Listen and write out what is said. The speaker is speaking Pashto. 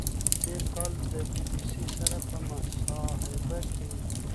تېر کال د بی بی سي سره په مصاحبه کې